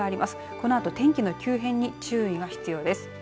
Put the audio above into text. このあと天気の急変に注意が必要です。